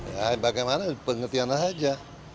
ya bagaimana pengertianlah saja